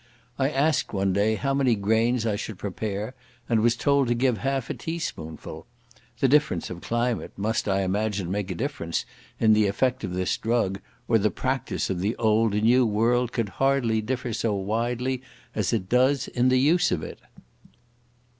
I asked one day how many grains I should prepare, and was told to give half a teaspoonful. The difference of climate must, I imagine, make a difference in the effect of this drug, or the practice of the old and new world could hardly differ so widely as it does in the use of it.